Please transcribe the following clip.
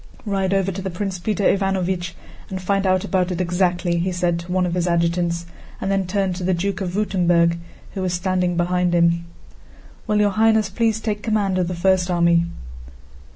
"Ride over to Prince Peter Ivánovich and find out about it exactly," he said to one of his adjutants, and then turned to the Duke of Württemberg who was standing behind him. "Will Your Highness please take command of the first army?"